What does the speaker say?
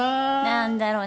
何だろな。